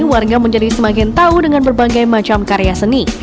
warga menjadi semakin tahu dengan berbagai macam karya seni